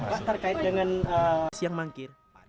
pak terkait dengan siang mangkir